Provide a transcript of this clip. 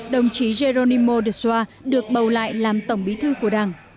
đồng chí geronimo de soa được bầu lại làm tổng bí thư của đảng